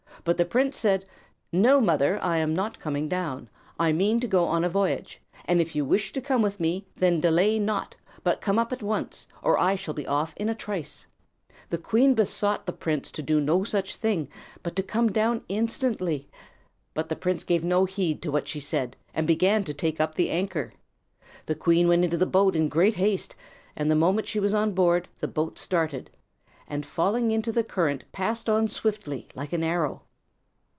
But the prince said, "No, mother I am not coming down; I mean to go on a voyage, and if you wish to come with me, then delay not but come up at once, or I shall be off in a trice." The queen besought the prince to do no such thing, but to come down instantly. But the prince gave no heed to what she said, and began to take up the anchor. The queen went up into the boat in great haste; and the moment she was on board the boat started, and falling into the current passed on swiftly like an arrow.